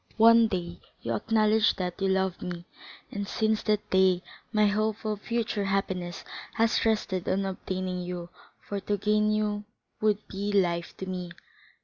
One day you acknowledged that you loved me, and since that day my hope of future happiness has rested on obtaining you, for to gain you would be life to me.